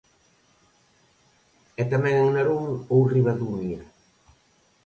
E tamén en Narón ou Ribadumia.